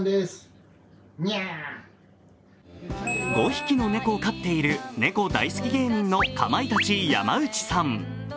５匹の猫を飼っている猫大好き芸人のかまいたち、山内さん。